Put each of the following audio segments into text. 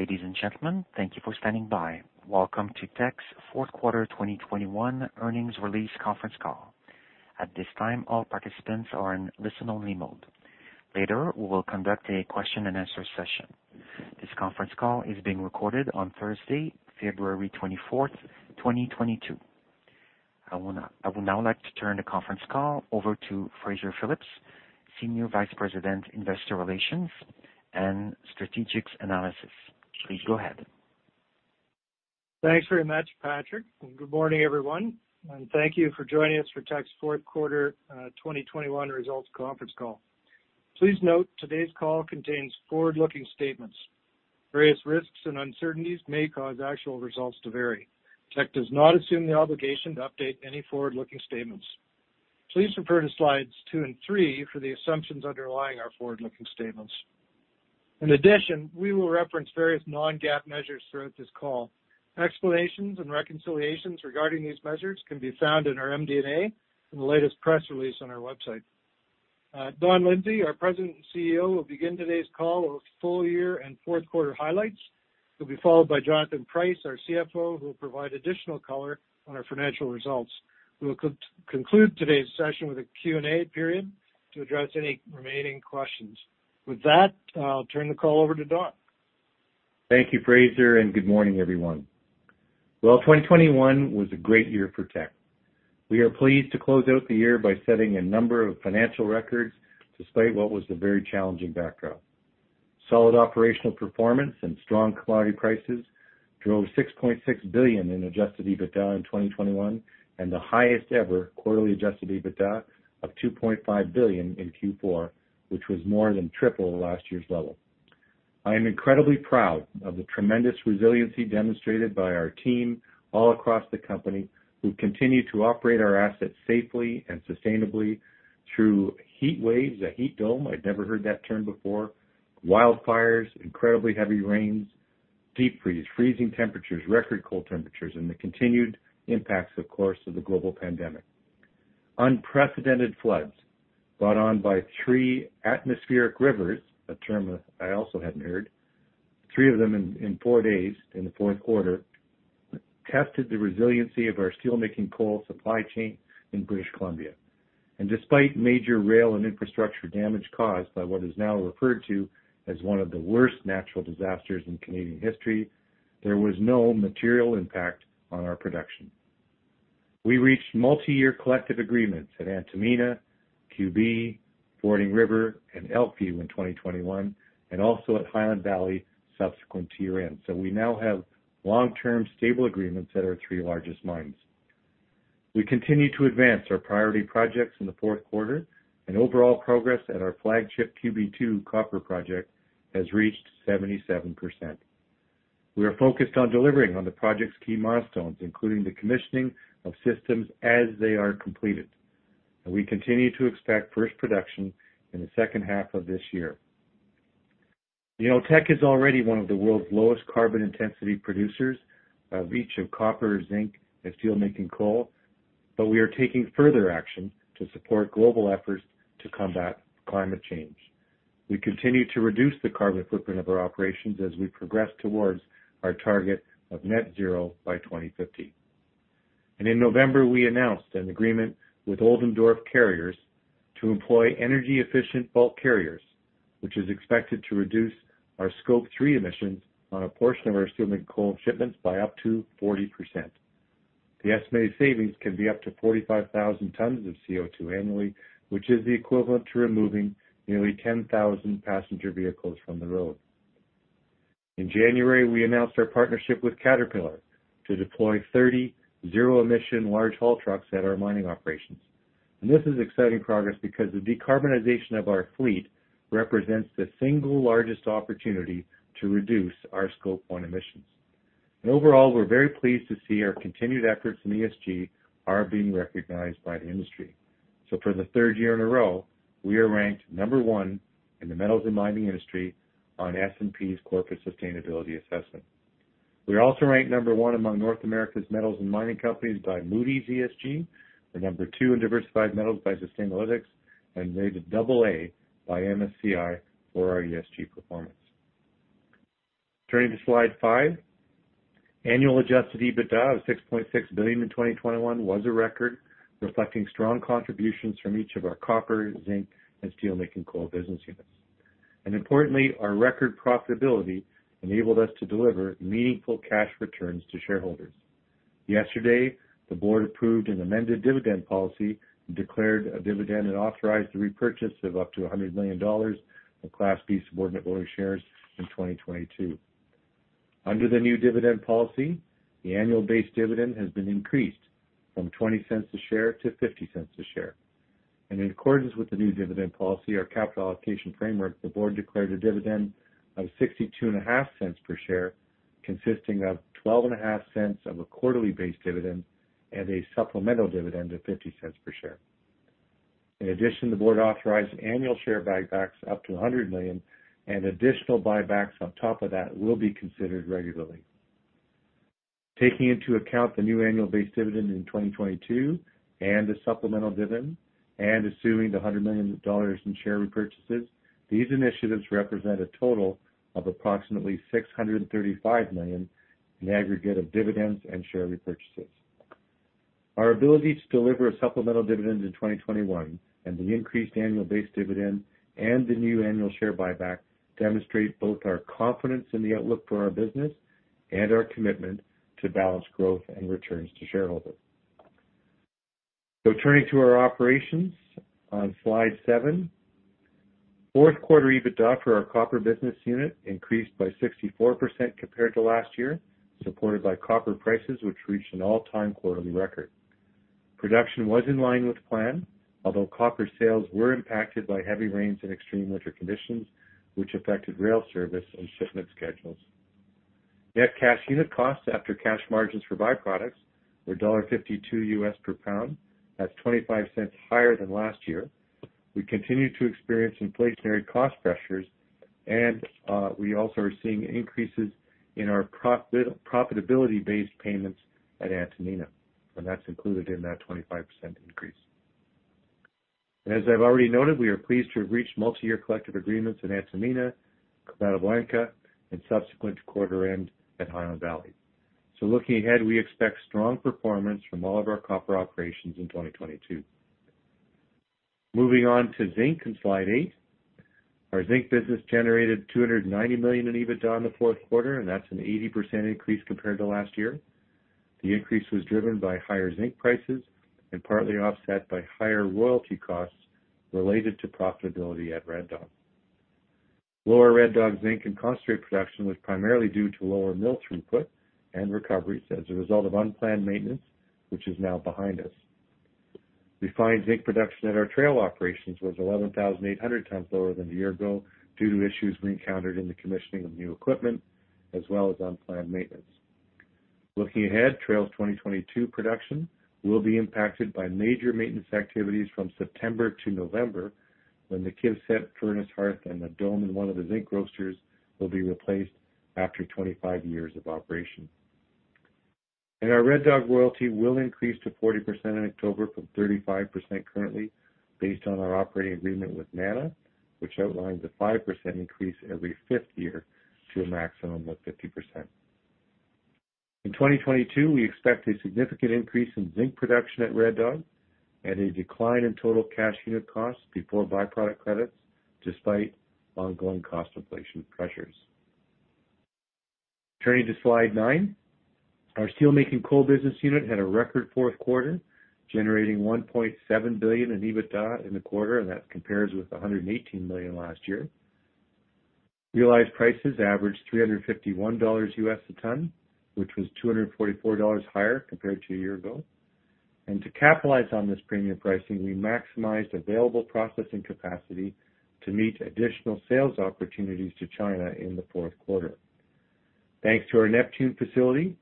Ladies and gentlemen, thank you for standing by. Welcome to Teck's fourth quarter 2021 earnings release conference call. At this time, all participants are in listen-only mode. Later, we will conduct a question and answer session. This conference call is being recorded on Thursday, February 24, 2022. I will now like to turn the conference call over to Fraser Phillips, Senior Vice President, Investor Relations and Strategic Analysis. Please go ahead. Thanks very much, Patrick, and good morning, everyone. Thank you for joining us for Teck's fourth quarter 2021 results conference call. Please note today's call contains forward-looking statements. Various risks and uncertainties may cause actual results to vary. Teck does not assume the obligation to update any forward-looking statements. Please refer to slides two and three for the assumptions underlying our forward-looking statements. In addition, we will reference various non-GAAP measures throughout this call. Explanations and reconciliations regarding these measures can be found in our MD&A in the latest press release on our website. Don Lindsay, our President and CEO, will begin today's call with full year and fourth quarter highlights. He'll be followed by Jonathan Price, our CFO, who will provide additional color on our financial results. We will conclude today's session with a Q&A period to address any remaining questions. With that, I'll turn the call over to Don. Thank you, Fraser, and good morning, everyone. Well, 2021 was a great year for Teck. We are pleased to close out the year by setting a number of financial records despite what was a very challenging backdrop. Solid operational performance and strong commodity prices drove $66.6 billion in adjusted EBITDA in 2021 and the highest ever quarterly adjusted EBITDA of $2.5 billion in Q4, which was more than triple last year's level. I am incredibly proud of the tremendous resiliency demonstrated by our team all across the company, who continue to operate our assets safely and sustainably through heat waves, a heat dome, I'd never heard that term before, wildfires, incredibly heavy rains, deep freeze, freezing temperatures, record cold temperatures, and the continued impacts, of course, of the global pandemic. Unprecedented floods brought on by three atmospheric rivers, a term I also hadn't heard, three of them in four days in the fourth quarter, tested the resiliency of our steelmaking coal supply chain in British Columbia. Despite major rail and infrastructure damage caused by what is now referred to as one of the worst natural disasters in Canadian history, there was no material impact on our production. We reached multi-year collective agreements at Antamina, QB, Fording River, and Elkview in 2021 and also at Highland Valley subsequent to year-end. We now have long-term stable agreements at our three largest mines. We continued to advance our priority projects in the fourth quarter, and overall progress at our flagship QB2 copper project has reached 77%. We are focused on delivering on the project's key milestones, including the commissioning of systems as they are completed. We continue to expect first production in the second half of this year. You know, Teck is already one of the world's lowest carbon intensity producers of each of copper, zinc, and steelmaking coal, but we are taking further action to support global efforts to combat climate change. We continue to reduce the carbon footprint of our operations as we progress towards our target of net zero by 2050. In November, we announced an agreement with Oldendorff Carriers to employ energy efficient bulk carriers, which is expected to reduce our Scope 3 emissions on a portion of our steelmaking coal shipments by up to 40%. The estimated savings can be up to 45,000 tons of CO2 annually, which is the equivalent to removing nearly 10,000 passenger vehicles from the road. In January, we announced our partnership with Caterpillar to deploy 30 zero-emission large haul trucks at our mining operations. This is exciting progress because the decarbonization of our fleet represents the single largest opportunity to reduce our Scope 1 emissions. Overall, we're very pleased to see our continued efforts in ESG are being recognized by the industry. For the third year in a row, we are ranked number one in the metals and mining industry on S&P's Corporate Sustainability Assessment. We also ranked number one among North America's metals and mining companies by Moody's ESG, and number two in diversified metals by Sustainalytics, and rated AA by MSCI for our ESG performance. Turning to slide five. Annual adjusted EBITDA of $6.6 billion in 2021 was a record reflecting strong contributions from each of our copper, zinc, and steelmaking coal business units. Importantly, our record profitability enabled us to deliver meaningful cash returns to shareholders. Yesterday, the board approved an amended dividend policy and declared a dividend and authorized the repurchase of up to 100 million dollars of Class B subordinate voting shares in 2022. Under the new dividend policy, the annual base dividend has been increased from 0.20 per share to 0.50 per share. In accordance with the new dividend policy, our capital allocation framework, the board declared a dividend of 0.625 per share, consisting of 0.125 quarterly base dividend and a supplemental dividend of 0.50 per share. In addition, the board authorized annual share buybacks up to $100 million, and additional buybacks on top of that will be considered regularly. Taking into account the new annual base dividend in 2022 and the supplemental dividend, and assuming the $100 million in share repurchases, these initiatives represent a total of approximately $635 million in aggregate of dividends and share repurchases. Our ability to deliver a supplemental dividend in 2021 and the increased annual base dividend and the new annual share buyback demonstrate both our confidence in the outlook for our business and our commitment to balanced growth and returns to shareholders. Turning to our operations on slide seven. Fourth quarter EBITDA for our Copper business unit increased by 64% compared to last year, supported by copper prices, which reached an all-time quarterly record. Production was in line with plan, although copper sales were impacted by heavy rains and extreme winter conditions, which affected rail service and shipment schedules. Net cash unit costs after cash margins for byproducts were $52 US per pound. That's $0.25 higher than last year. We continue to experience inflationary cost pressures, and we also are seeing increases in our profitability-based payments at Antamina, and that's included in that 25% increase. As I've already noted, we are pleased to have reached multi-year collective agreements in Antamina, Quebrada Blanca, and subsequent to quarter end at Highland Valley. Looking ahead, we expect strong performance from all of our copper operations in 2022. Moving on to zinc in slide eight. Our zinc business generated $290 million in EBITDA in the fourth quarter, and that's an 80% increase compared to last year. The increase was driven by higher zinc prices and partly offset by higher royalty costs related to profitability at Red Dog. Lower Red Dog zinc and concentrate production was primarily due to lower mill throughput and recoveries as a result of unplanned maintenance, which is now behind us. Refined zinc production at our Trail operations was 11,800 tons lower than a year ago due to issues we encountered in the commissioning of new equipment, as well as unplanned maintenance. Looking ahead, Trail's 2022 production will be impacted by major maintenance activities from September to November, when the KIVCET furnace hearth and the dome in one of the zinc roasters will be replaced after 25 years of operation. Our Red Dog royalty will increase to 40% in October from 35% currently based on our operating agreement with NANA, which outlines a 5% increase every 5th year to a maximum of 50%. In 2022, we expect a significant increase in zinc production at Red Dog and a decline in total cash unit costs before byproduct credits, despite ongoing cost inflation pressures. Turning to slide nine. Our steelmaking coal business unit had a record fourth quarter, generating $1.7 billion in EBITDA in the quarter, and that compares with $118 million last year. Realized prices averaged $351 U.S. a ton, which was $244 higher compared to a year ago. To capitalize on this premium pricing, we maximized available processing capacity to meet additional sales opportunities to China in the fourth quarter. Thanks to our Neptune facility,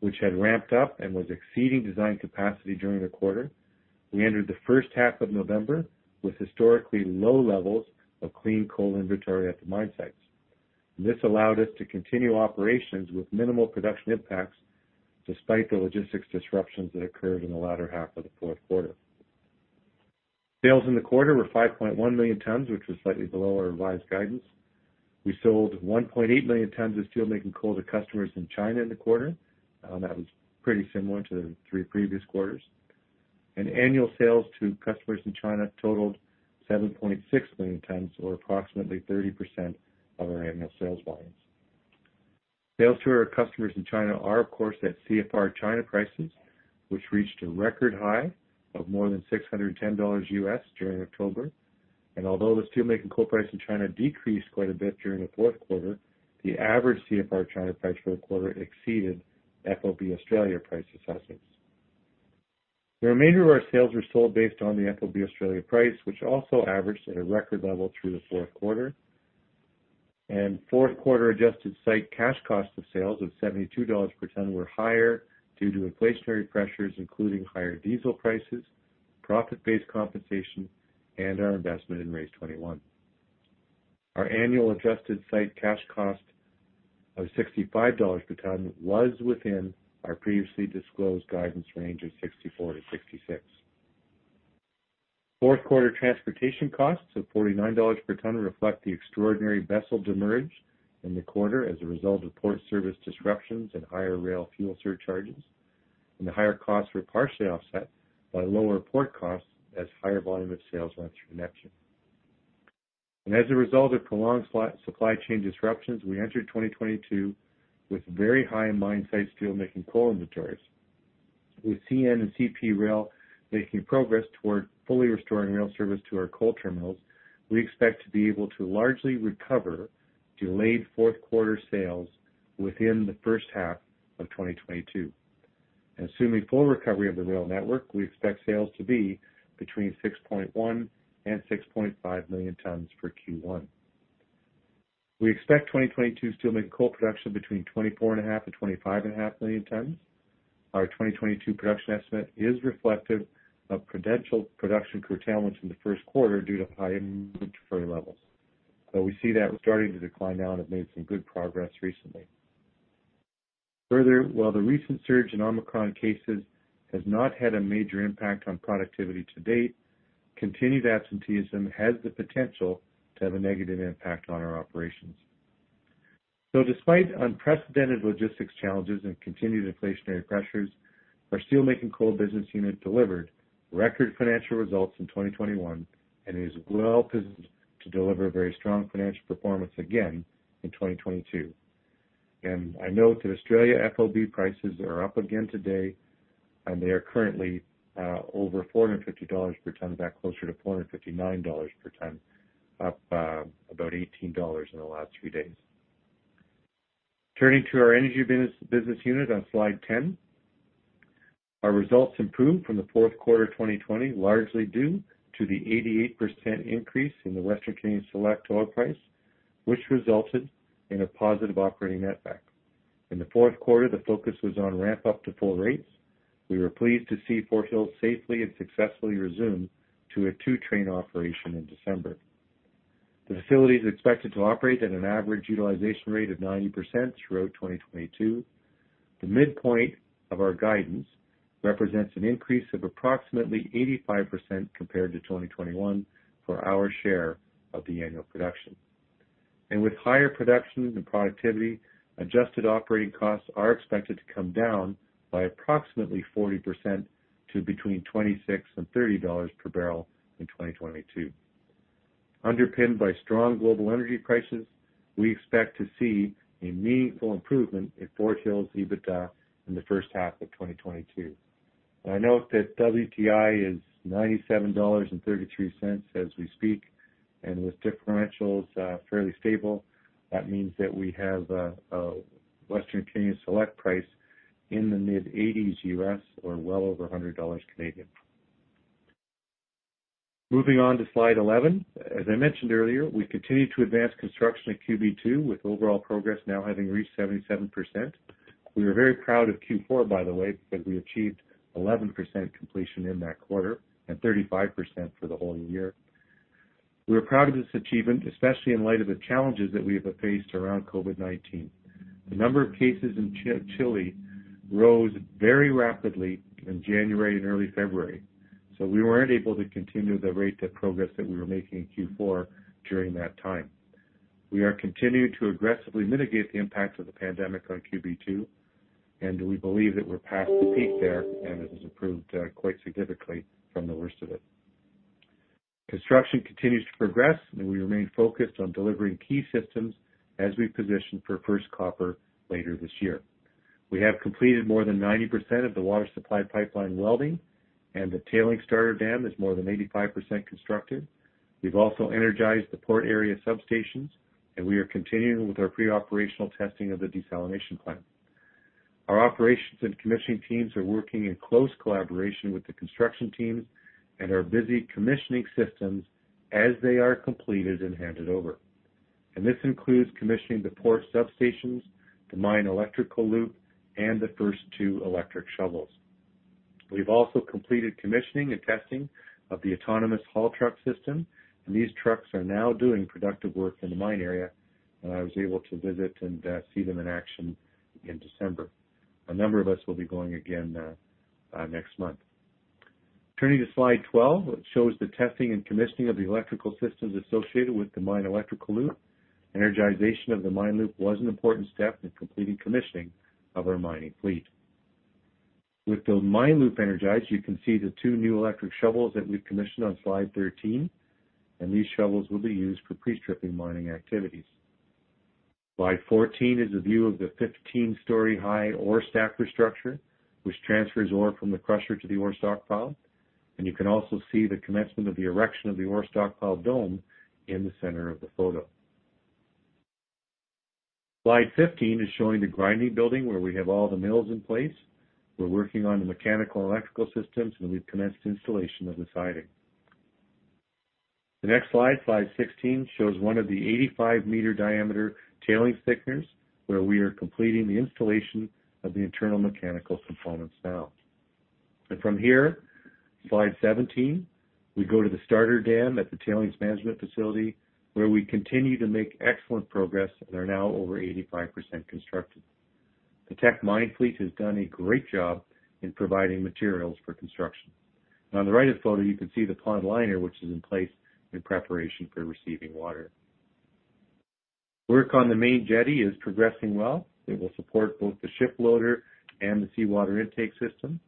which had ramped up and was exceeding design capacity during the quarter, we entered the first half of November with historically low levels of clean coal inventory at the mine sites. This allowed us to continue operations with minimal production impacts, despite the logistics disruptions that occurred in the latter half of the fourth quarter. Sales in the quarter were 5.1 million tons, which was slightly below our revised guidance. We sold 1.8 million tons of steelmaking coal to customers in China in the quarter. That was pretty similar to the three previous quarters. Annual sales to customers in China totaled 7.6 million tons or approximately 30% of our annual sales volumes. Sales to our customers in China are of course at CFR China prices, which reached a record high of more than $610 during October. Although the steelmaking coal price in China decreased quite a bit during the fourth quarter, the average CFR China price for the quarter exceeded FOB Australia price assessments. The remainder of our sales were sold based on the FOB Australia price, which also averaged at a record level through the fourth quarter. Fourth quarter adjusted site cash cost of sales of $72 per ton were higher due to inflationary pressures, including higher diesel prices, profit-based compensation, and our investment in RACE21. Our annual adjusted site cash cost of $65 per ton was within our previously disclosed guidance range of $64-$66. Fourth quarter transportation costs of $49 per ton reflect the extraordinary vessel demurrage in the quarter as a result of port service disruptions and higher rail fuel surcharges. The higher costs were partially offset by lower port costs as higher volume of sales went through Neptune. As a result of prolonged supply chain disruptions, we entered 2022 with very high mine site steelmaking coal inventories. With CN and CP Rail making progress toward fully restoring rail service to our coal terminals, we expect to be able to largely recover delayed fourth quarter sales within the first half of 2022. Assuming full recovery of the rail network, we expect sales to be between 6.1 million tons and 6.5 million tons for Q1. We expect 2022 steelmaking coal production between 24.5 million-25.5 million tons. Our 2022 production estimate is reflective of potential production curtailments in the first quarter due to high inventory levels. We see that starting to decline now and have made some good progress recently. Further, while the recent surge in Omicron cases has not had a major impact on productivity to date, continued absenteeism has the potential to have a negative impact on our operations. Despite unprecedented logistics challenges and continued inflationary pressures, our steelmaking coal business unit delivered record financial results in 2021 and is well positioned to deliver very strong financial performance again in 2022. I note that Australia FOB prices are up again today, and they are currently over $450 per ton, in fact, closer to $459 per ton, up about $18 in the last three days. Turning to our energy business unit on slide 10. Our results improved from the fourth quarter 2020, largely due to the 88% increase in the Western Canadian Select oil price, which resulted in a positive operating netback. In the fourth quarter, the focus was on ramp up to full rates. We were pleased to see Fort Hills safely and successfully resume to a two-train operation in December. The facility is expected to operate at an average utilization rate of 90% throughout 2022. The midpoint of our guidance represents an increase of approximately 85% compared to 2021 for our share of the annual production. With higher production and productivity, adjusted operating costs are expected to come down by approximately 40% to between $26-$30 per barrel in 2022. Underpinned by strong global energy prices, we expect to see a meaningful improvement in Fort Hills EBITDA in the first half of 2022. I note that WTI is $97.33 as we speak, and with differentials, fairly stable, that means that we have a Western Canadian Select price in the mid-$80s U.S. or well over 100 Canadian dollars Canadian. Moving on to slide 11. As I mentioned earlier, we continue to advance construction at QB2, with overall progress now having reached 77%. We are very proud of Q4, by the way, because we achieved 11% completion in that quarter and 35% for the whole year. We are proud of this achievement, especially in light of the challenges that we have faced around COVID-19. The number of cases in Chile rose very rapidly in January and early February, so we weren't able to continue the rate of progress that we were making in Q4 during that time. We are continuing to aggressively mitigate the impact of the pandemic on QB2, and we believe that we're past the peak there, and it has improved quite significantly from the worst of it. Construction continues to progress, and we remain focused on delivering key systems as we position for first copper later this year. We have completed more than 90% of the water supply pipeline welding, and the tailings starter dam is more than 85% constructed. We've also energized the port area substations, and we are continuing with our pre-operational testing of the desalination plant. Our operations and commissioning teams are working in close collaboration with the construction teams and are busy commissioning systems as they are completed and handed over. This includes commissioning the port substations, the mine electrical loop, and the first two electric shovels. We've also completed commissioning and testing of the autonomous haul truck system, and these trucks are now doing productive work in the mine area. I was able to visit and see them in action in December. A number of us will be going again next month. Turning to slide 12, it shows the testing and commissioning of the electrical systems associated with the mine electrical loop. Energization of the mine loop was an important step in completing commissioning of our mining fleet. With the mine loop energized, you can see the two new electric shovels that we've commissioned on slide 13, and these shovels will be used for pre-stripping mining activities. Slide 14 is a view of the 15-story high ore stacker structure, which transfers ore from the crusher to the ore stockpile. You can also see the commencement of the erection of the ore stockpile dome in the center of the photo. Slide 15 is showing the grinding building where we have all the mills in place. We're working on the mechanical electrical systems, and we've commenced installation of the siding. The next slide 16, shows one of the 85m diameter tailings thickeners, where we are completing the installation of the internal mechanical components now. From here, slide 17, we go to the starter dam at the tailings management facility, where we continue to make excellent progress and are now over 85% constructed. The Teck mining fleet has done a great job in providing materials for construction. On the right of the photo, you can see the pond liner, which is in place in preparation for receiving water. Work on the main jetty is progressing well. It will support both the ship loader and the seawater intake system.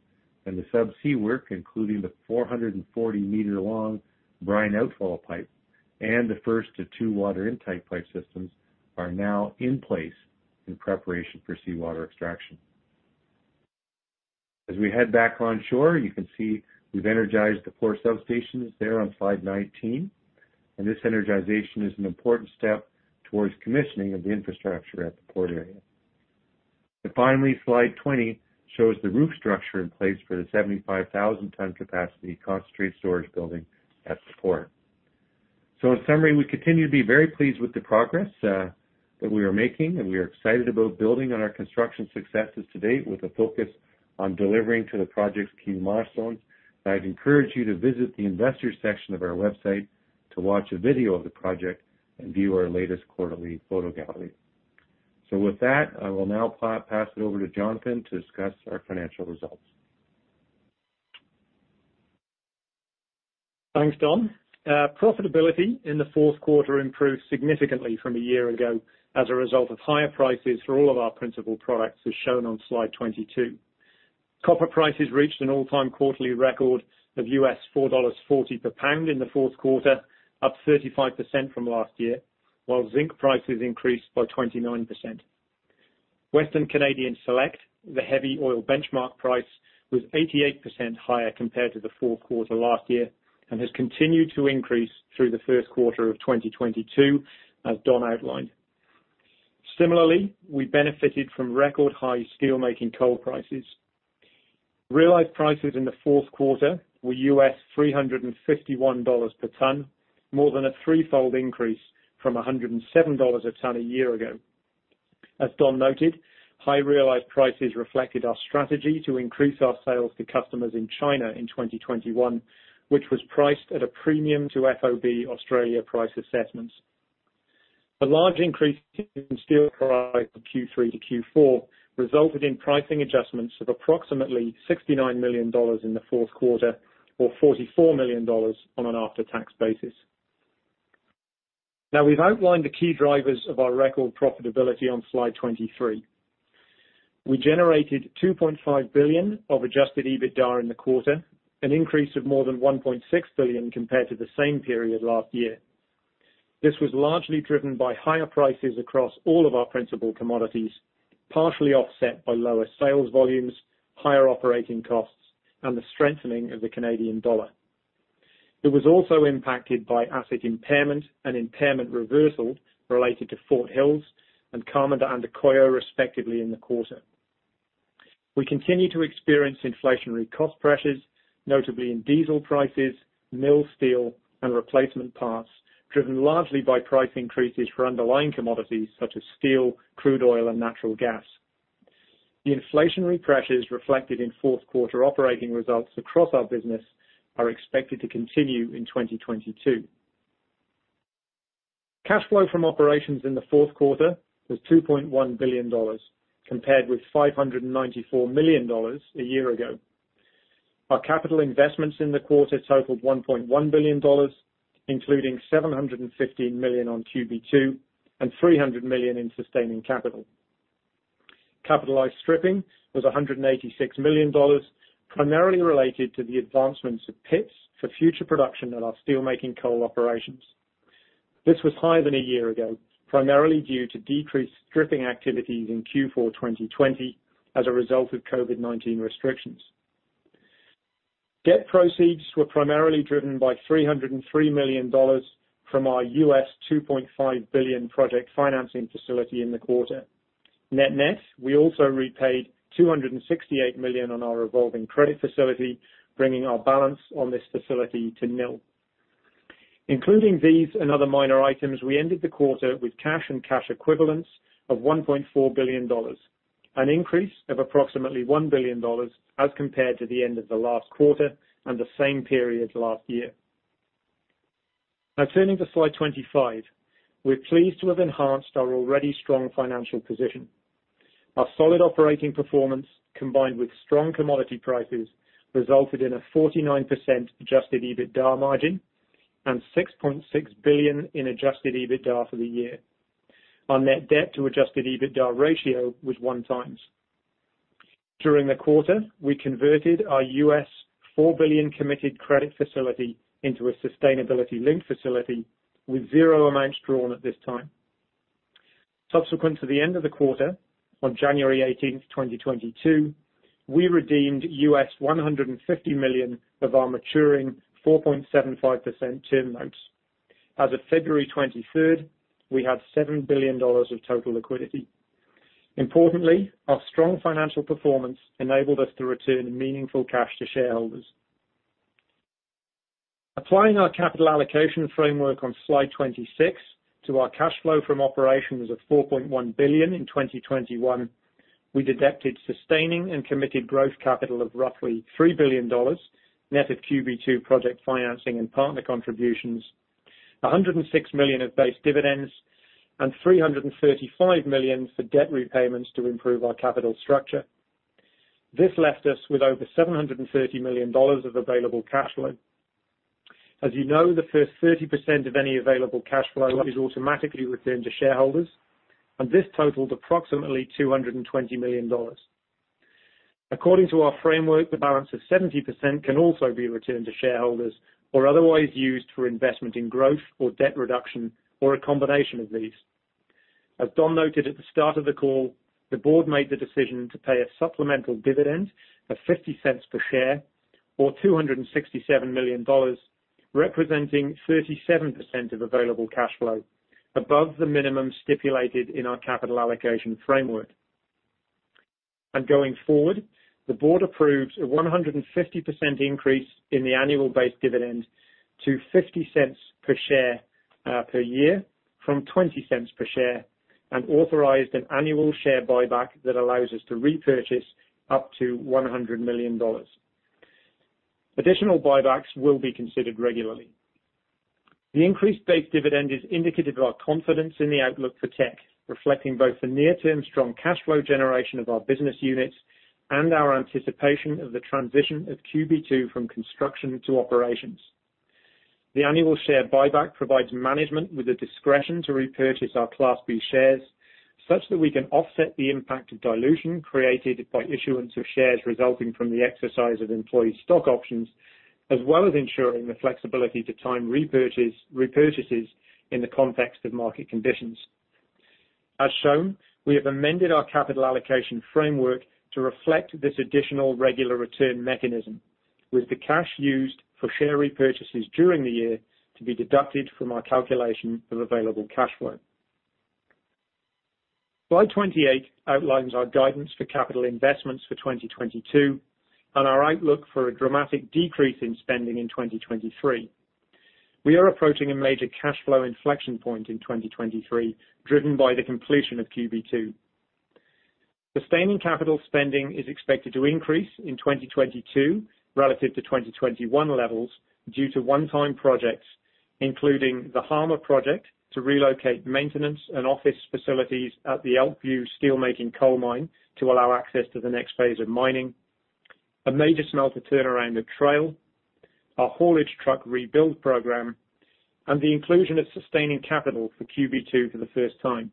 The subsea work, including the 440m long brine outfall pipe and the first of two water intake pipe systems, are now in place in preparation for seawater extraction. As we head back onshore, you can see we've energized the port substations there on slide 19, and this energization is an important step towards commissioning of the infrastructure at the port area. Finally, slide 20 shows the roof structure in place for the 75,000-ton capacity concentrate storage building at the port. In summary, we continue to be very pleased with the progress that we are making, and we are excited about building on our construction successes to date with a focus on delivering to the project's key milestones. I'd encourage you to visit the investor section of our website to watch a video of the project and view our latest quarterly photo gallery. With that, I will now pass it over to Jonathan to discuss our financial results. Thanks, Don. Profitability in the fourth quarter improved significantly from a year ago as a result of higher prices for all of our principal products, as shown on slide 22. Copper prices reached an all-time quarterly record of $4.40 per pound in the fourth quarter, up 35% from last year, while zinc prices increased by 29%. Western Canadian Select, the heavy oil benchmark price, was 88% higher compared to the fourth quarter last year and has continued to increase through the first quarter of 2022, as Don outlined. Similarly, we benefited from record high steel-making coal prices. Realized prices in the fourth quarter were $351 per ton, more than a three-fold increase from $107 a ton a year ago. As Don noted, high realized prices reflected our strategy to increase our sales to customers in China in 2021, which was priced at a premium to FOB Australia price assessments. The large increase in steel price from Q3 to Q4 resulted in pricing adjustments of approximately 69 million dollars in the fourth quarter, or 44 million dollars on an after-tax basis. Now we've outlined the key drivers of our record profitability on slide 23. We generated 2.5 billion of adjusted EBITDA in the quarter, an increase of more than 1.6 billion compared to the same period last year. This was largely driven by higher prices across all of our principal commodities, partially offset by lower sales volumes, higher operating costs, and the strengthening of the Canadian dollar. It was also impacted by asset impairment and impairment reversal related to Fort Hills and Carmen de Andacollo respectively in the quarter. We continue to experience inflationary cost pressures, notably in diesel prices, mill steel, and replacement parts, driven largely by price increases for underlying commodities such as steel, crude oil, and natural gas. The inflationary pressures reflected in fourth quarter operating results across our business are expected to continue in 2022. Cash flow from operations in the fourth quarter was $2.1 billion, compared with $594 million a year ago. Our capital investments in the quarter totaled $1.1 billion, including $715 million on QB2 and $300 million in sustaining capital. Capitalized stripping was $186 million, primarily related to the advancements of pits for future production at our steel making coal operations. This was higher than a year ago, primarily due to decreased stripping activities in Q4 2020 as a result of COVID-19 restrictions. Debt proceeds were primarily driven by $303 million from our U.S. $2.5 billion project financing facility in the quarter. Net-net, we also repaid $268 million on our revolving credit facility, bringing our balance on this facility to nil. Including these and other minor items, we ended the quarter with cash and cash equivalents of $1.4 billion, an increase of approximately $1 billion as compared to the end of the last quarter and the same period last year. Now turning to slide 25. We're pleased to have enhanced our already strong financial position. Our solid operating performance, combined with strong commodity prices, resulted in a 49% adjusted EBITDA margin and $6.6 billion in adjusted EBITDA for the year. Our net debt to adjusted EBITDA ratio was 1x. During the quarter, we converted our $4 billion committed credit facility into a sustainability-linked facility with zero amounts drawn at this time. Subsequent to the end of the quarter, on January 18, 2022, we redeemed $150 million of our maturing 4.75% term notes. As of February 23, we had $7 billion of total liquidity. Importantly, our strong financial performance enabled us to return meaningful cash to shareholders. Applying our capital allocation framework on slide 26 to our cash flow from operations of 4.1 billion in 2021, we deducted sustaining and committed growth capital of roughly 3 billion dollars, net of QB2 project financing and partner contributions, 106 million of base dividends, and 335 million for debt repayments to improve our capital structure. This left us with over 730 million dollars of available cash flow. As you know, the first 30% of any available cash flow is automatically returned to shareholders, and this totaled approximately 220 million dollars. According to our framework, the balance of 70% can also be returned to shareholders or otherwise used for investment in growth or debt reduction, or a combination of these. As Don noted at the start of the call, the board made the decision to pay a supplemental dividend of 0.50 per share, or 267 million dollars, representing 37% of available cash flow, above the minimum stipulated in our capital allocation framework. Going forward, the board approves a 150% increase in the annual base dividend to 0.50 per share per year from 0.20 per share, and authorized an annual share buyback that allows us to repurchase up to 100 million dollars. Additional buybacks will be considered regularly. The increased base dividend is indicative of our confidence in the outlook for Teck, reflecting both the near-term strong cash flow generation of our business units and our anticipation of the transition of QB2 from construction to operations. The annual share buyback provides management with the discretion to repurchase our Class B shares such that we can offset the impact of dilution created by issuance of shares resulting from the exercise of employee stock options, as well as ensuring the flexibility to time repurchases in the context of market conditions. As shown, we have amended our capital allocation framework to reflect this additional regular return mechanism, with the cash used for share repurchases during the year to be deducted from our calculation of available cash flow. Slide 28 outlines our guidance for capital investments for 2022 and our outlook for a dramatic decrease in spending in 2023. We are approaching a major cash flow inflection point in 2023, driven by the completion of QB2. Sustaining capital spending is expected to increase in 2022 relative to 2021 levels due to one-time projects, including the Harmer Project to relocate maintenance and office facilities at the Elkview Steelmaking Coal Mine to allow access to the next phase of mining, a major smelter turnaround at Trail, our haulage truck rebuild program, and the inclusion of sustaining capital for QB2 for the first time.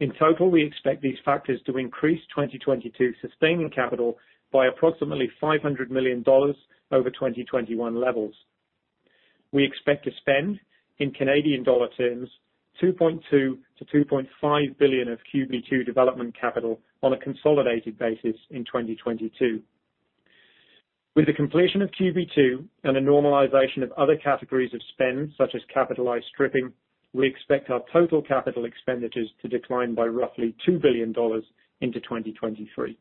In total, we expect these factors to increase 2022 sustaining capital by approximately 500 million dollars over 2021 levels. We expect to spend, in Canadian dollar terms, 2.2 billion-2.5 billion of QB2 development capital on a consolidated basis in 2022. With the completion of QB2 and a normalization of other categories of spend, such as capitalized stripping, we expect our total capital expenditures to decline by roughly 2 billion dollars into 2023.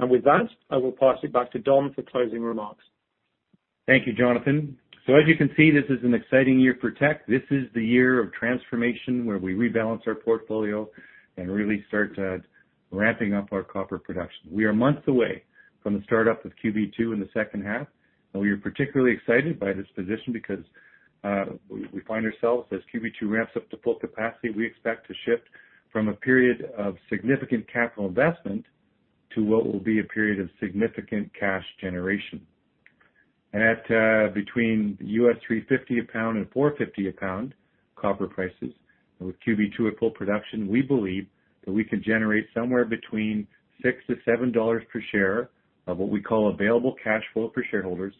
With that, I will pass it back to Don for closing remarks. Thank you, Jonathan. As you can see, this is an exciting year for Teck. This is the year of transformation, where we rebalance our portfolio and really start ramping up our copper production. We are months away from the start-up of QB2 in the second half, and we are particularly excited by this position because we find ourselves, as QB2 ramps up to full capacity, we expect to shift from a period of significant capital investment to what will be a period of significant cash generation. At between $3.50 a pound and $4.50 a pound copper prices, and with QB2 at full production, we believe that we could generate somewhere between $6-$7 per share of what we call available cash flow for shareholders,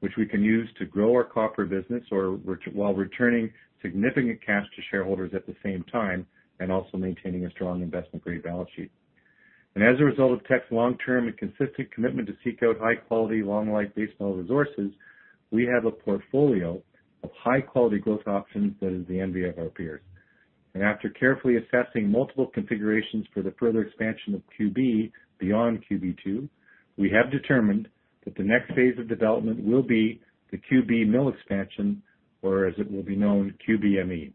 which we can use to grow our copper business while returning significant cash to shareholders at the same time, and also maintaining a strong investment-grade balance sheet. As a result of Teck's long-term and consistent commitment to seek out high-quality, long-life base metal resources, we have a portfolio of high-quality growth options that is the envy of our peers. After carefully assessing multiple configurations for the further expansion of QB beyond QB2, we have determined that the next phase of development will be the QB mill expansion, or as it will be known, QBME.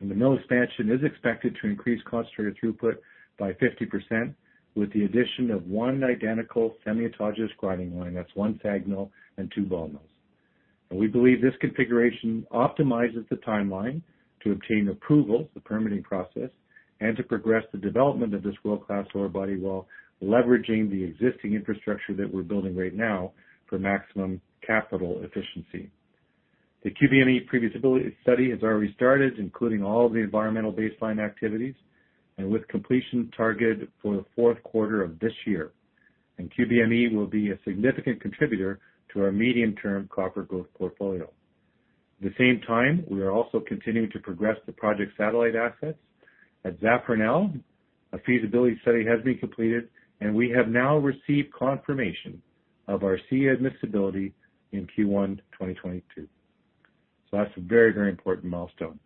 The mill expansion is expected to increase concentrate throughput by 50% with the addition of one identical semi-autogenous grinding line. That's one SAG mill and two ball mills. We believe this configuration optimizes the timeline to obtain approval, the permitting process, and to progress the development of this world-class ore body while leveraging the existing infrastructure that we're building right now for maximum capital efficiency. The QBME pre-feasibility study has already started, including all the environmental baseline activities, and with completion targeted for the fourth quarter of this year. QBME will be a significant contributor to our medium-term copper growth portfolio. At the same time, we are also continuing to progress the project satellite assets. At Zafranal, a feasibility study has been completed, and we have now received confirmation of our SEIA admissibility in Q1 2022. So that's a very, very important milestone.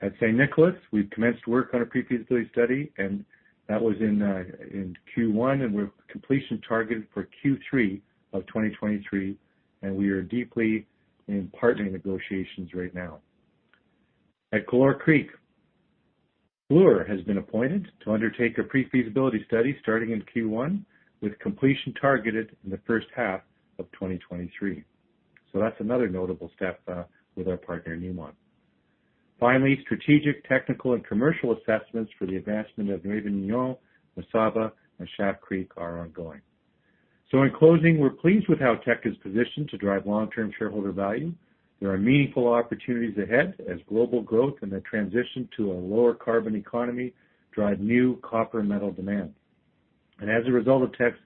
At San Nicolás, we've commenced work on a pre-feasibility study, and that was in Q1, and with completion targeted for Q3 of 2023, and we are deeply in partnering negotiations right now. At Galore Creek, Fluor has been appointed to undertake a pre-feasibility study starting in Q1, with completion targeted in the first half of 2023. That's another notable step with our partner, Newmont. Finally, strategic, technical, and commercial assessments for the advancement of NuevaUnión, Mesaba, and Schaft Creek are ongoing. In closing, we're pleased with how Teck is positioned to drive long-term shareholder value. There are meaningful opportunities ahead as global growth and the transition to a lower carbon economy drive new copper and metal demand. As a result of Teck's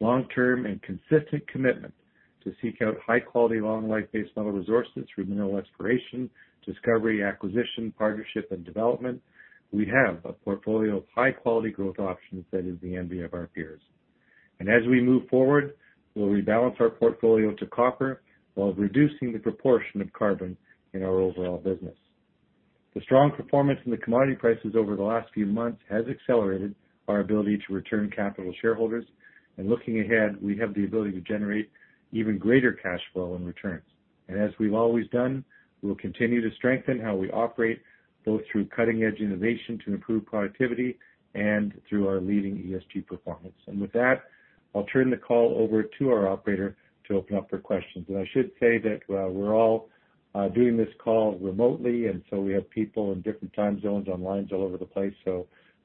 long-term and consistent commitment to seek out high quality, long life base metal resources through mineral exploration, discovery, acquisition, partnership, and development, we have a portfolio of high quality growth options that is the envy of our peers. As we move forward, we'll rebalance our portfolio to copper while reducing the proportion of carbon in our overall business. The strong performance in the commodity prices over the last few months has accelerated our ability to return capital to shareholders. Looking ahead, we have the ability to generate even greater cash flow and returns. As we've always done, we'll continue to strengthen how we operate, both through cutting-edge innovation to improve productivity and through our leading ESG performance. With that, I'll turn the call over to our operator to open up for questions. I should say that, we're all doing this call remotely, and so we have people in different time zones on lines all over the place.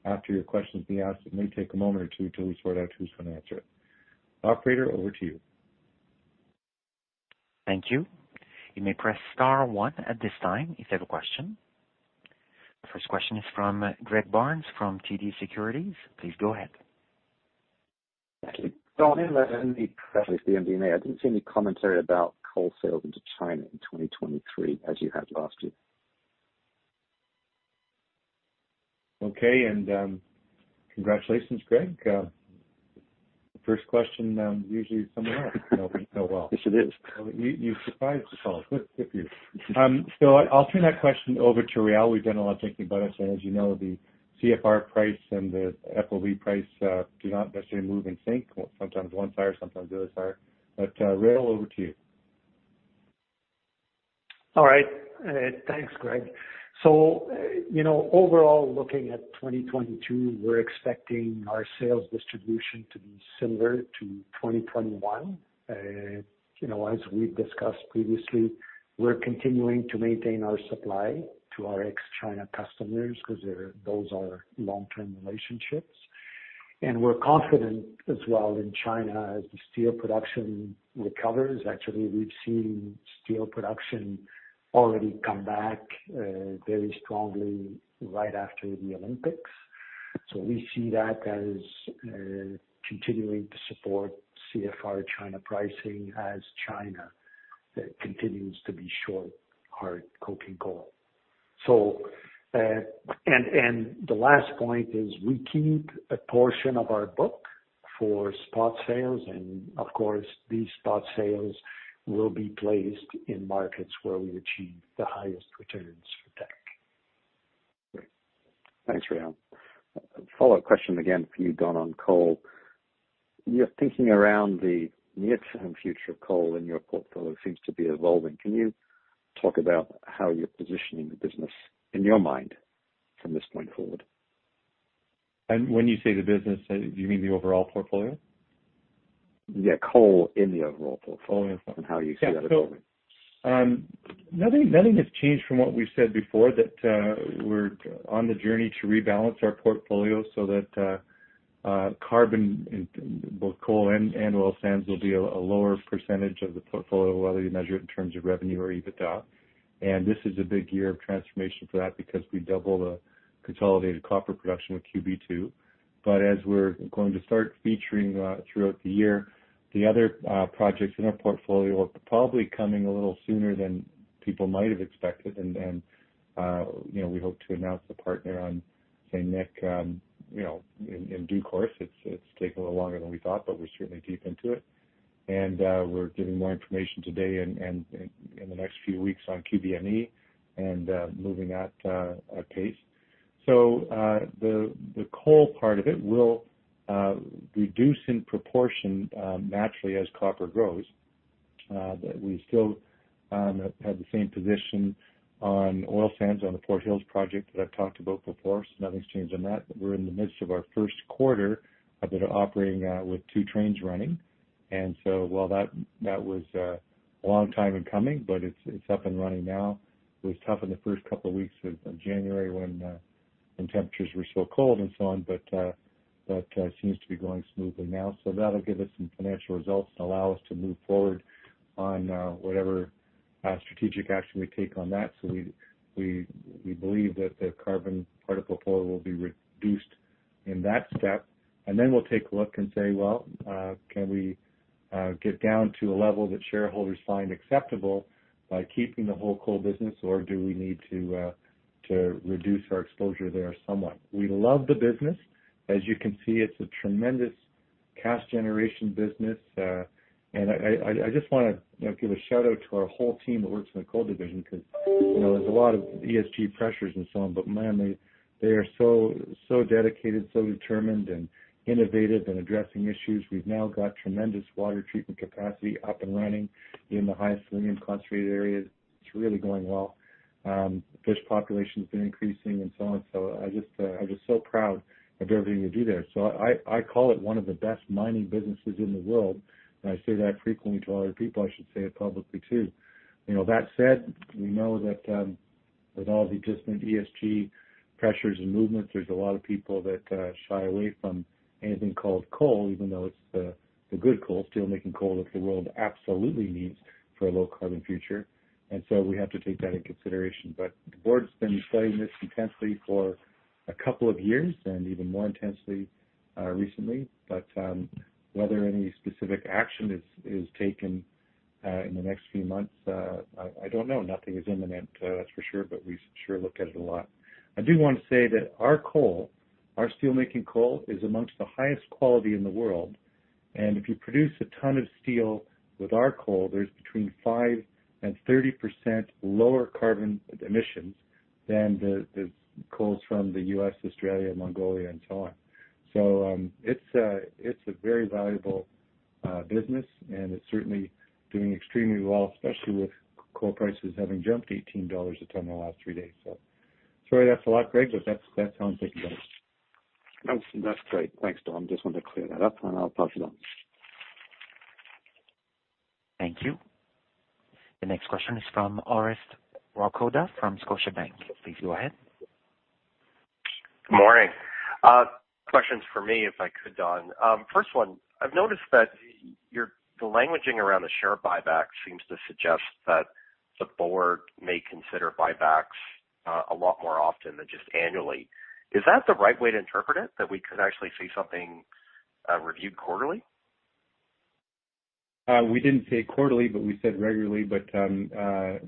After your questions being asked, it may take a moment or two till we sort out who's gonna answer it. Operator, over to you. Thank you. You may press star one at this time if you have a question. First question is from Greg Barnes from TD Securities. Please go ahead. Thank you. Don, in the press release for MD&A, I didn't see any commentary about coal sales into China in 2023 as you had last year. Okay. Congratulations, Greg. First question, usually somewhere else. You know well. Yes, it is. You surprised us all. Good for you. I'll turn that question over to Réal. We've done a lot of thinking about it, so as you know, the CFR price and the FOB price do not necessarily move in sync. Sometimes one's higher, sometimes the other is higher. Réal, over to you. All right. Thanks, Greg. You know, overall, looking at 2022, we're expecting our sales distribution to be similar to 2021. You know, as we've discussed previously, we're continuing to maintain our supply to our ex-China customers because those are long-term relationships. We're confident as well in China as the steel production recovers. Actually, we've seen steel production already come back very strongly right after the Olympics. We see that as continuing to support CFR China pricing as China continues to be short hard coking coal. The last point is we keep a portion of our book for spot sales, and of course, these spot sales will be placed in markets where we achieve the highest returns for Teck. Great. Thanks, Réal. Follow-up question again for you, Don, on coal. Your thinking around the near-term future of coal in your portfolio seems to be evolving. Can you talk about how you're positioning the business in your mind from this point forward? When you say the business, do you mean the overall portfolio? Yeah, coal in the overall portfolio and how you see that evolving? Nothing has changed from what we've said before that we're on the journey to rebalance our portfolio so that carbon in both coal and oil sands will be a lower percentage of the portfolio, whether you measure it in terms of revenue or EBITDA. This is a big year of transformation for that because we double the consolidated copper production with QB2. As we're going to start featuring throughout the year, the other projects in our portfolio are probably coming a little sooner than people might have expected. You know, we hope to announce the partner on San Nicolás, you know, in due course. It's taking a little longer than we thought, but we're certainly deep into it. We're giving more information today and in the next few weeks on QBME and moving at a pace. The coal part of it will reduce in proportion naturally as copper grows, but we still have the same position on oil sands on the Fort Hills project that I've talked about before. Nothing's changed on that. We're in the midst of our first quarter of it operating with two trains running. While that was a long time in coming, but it's up and running now. It was tough in the first couple of weeks of January when temperatures were so cold and so on, but seems to be going smoothly now. That'll give us some financial results and allow us to move forward on whatever strategic action we take on that. We believe that the carbon part of portfolio will be reduced in that step. Then we'll take a look and say, can we get down to a level that shareholders find acceptable by keeping the whole coal business, or do we need to reduce our exposure there somewhat? We love the business. As you can see, it's a tremendous cash generation business. And I just wanna give a shout-out to our whole team that works in the coal division because, you know, there's a lot of ESG pressures and so on, but man, they are so dedicated, so determined and innovative in addressing issues. We've now got tremendous water treatment capacity up and running in the highest selenium concentrated areas. It's really going well. Fish population has been increasing and so on. So I just, I'm just so proud of everything we do there. So I call it one of the best mining businesses in the world. I say that frequently to other people. I should say it publicly, too. You know, that said, we know that with all the existing ESG pressures and movements, there's a lot of people that shy away from anything called coal, even though it's the good coal, steelmaking coal that the world absolutely needs for a low carbon future. We have to take that in consideration. The board's been studying this intensely for a couple of years and even more intensely recently. Whether any specific action is taken in the next few months, I don't know. Nothing is imminent, that's for sure, but we sure look at it a lot. I do want to say that our coal, our steelmaking coal is among the highest quality in the world. If you produce a ton of steel with our coal, there's between 5% and 30% lower carbon emissions than the coals from the U.S., Australia, Mongolia and so on. It's a very valuable business, and it's certainly doing extremely well, especially with coal prices having jumped $18 a ton in the last three days. Sorry, that's a lot, Greg, but that's how I'm thinking about it. That's great. Thanks, Don. Just wanted to clear that up, and I'll pass it on. Thank you. The next question is from Orest Wowkodaw from Scotiabank. Please go ahead. Good morning. Questions for me, if I could, Don. First one, I've noticed that the languaging around the share buyback seems to suggest that the board may consider buybacks a lot more often than just annually. Is that the right way to interpret it, that we could actually see something reviewed quarterly? We didn't say quarterly, but we said regularly. The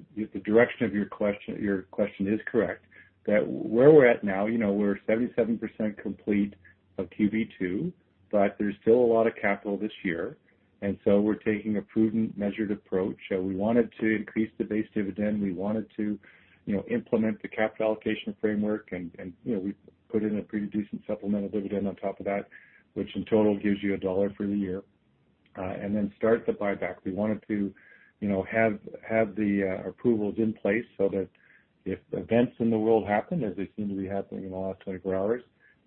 direction of your question is correct that where we're at now, you know, we're 77% complete of QB2, but there's still a lot of capital this year, and so we're taking a prudent, measured approach. We wanted to increase the base dividend. We wanted to, you know, implement the capital allocation framework and, you know, we put in a pretty decent supplemental dividend on top of that, which in total gives you CAD 1 for the year, and then start the buyback. We wanted to, you know, have the approvals in place so that if events in the world happen, as they seem to be happening in the last 24 hours,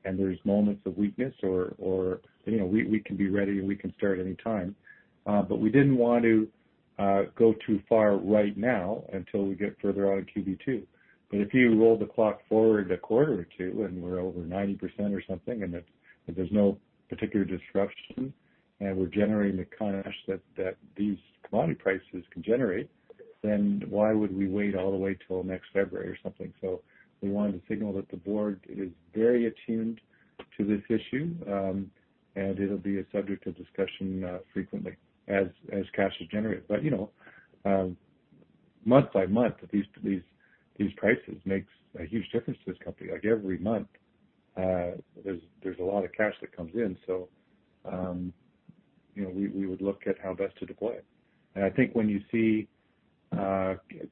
and there's moments of weakness or you know, we can be ready and we can start any time. We didn't want to go too far right now until we get further out in QB2. If you roll the clock forward a quarter or 2 and we're over 90% or something, and that there's no particular disruption, and we're generating the cash that these commodity prices can generate, then why would we wait all the way till next February or something? We wanted to signal that the board is very attuned to this issue, and it'll be a subject of discussion frequently as cash is generated. You know, month by month, these prices make a huge difference to this company. Like, every month, there's a lot of cash that comes in, so, you know, we would look at how best to deploy it. I think when you see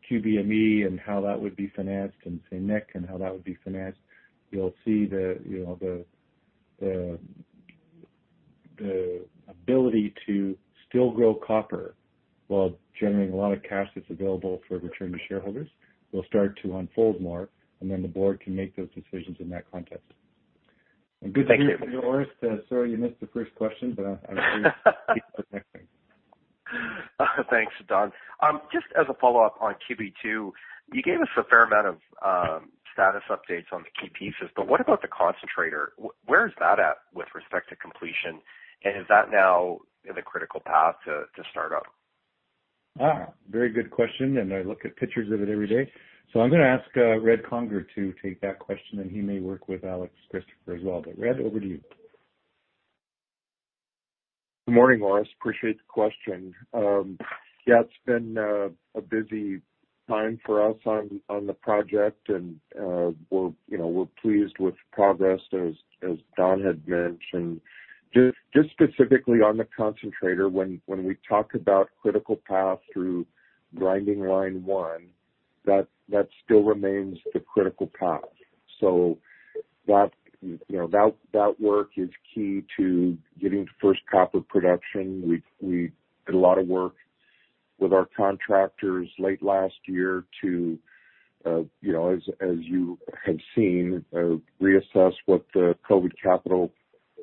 QBME and how that would be financed and San Nicolás and how that would be financed, you'll see the ability to still grow copper while generating a lot of cash that's available for return to shareholders will start to unfold more, and then the board can make those decisions in that context. Thank you. Good to hear from you, Orest. Sorry you missed the first question, but, I'm sure you'll keep up with the next thing. Thanks, Don. Just as a follow-up on QB2, you gave us a fair amount of status updates on the key pieces, but what about the concentrator? Where is that at with respect to completion? And is that now in the critical path to start up? Very good question, and I look at pictures of it every day. I'm gonna ask Red Conger to take that question, and he may work with Alex Christopher as well. Red, over to you. Good morning, Orest. Appreciate the question. Yeah, it's been a busy time for us on the project and we're pleased with progress as Don had mentioned. Just specifically on the concentrator, when we talk about critical path through grinding line one, that still remains the critical path. That work is key to getting first copper production. We did a lot of work with our contractors late last year to, as you have seen, reassess what the COVID capital